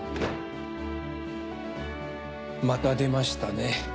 また出ましたね